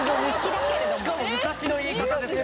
しかも昔の言い方ですね。